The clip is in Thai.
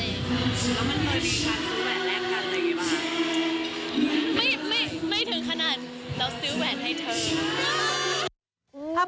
ไม่ถึงขนาดเราซื้อแหวนให้เธอ